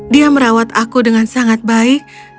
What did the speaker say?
dia merawat aku dengan sangat baik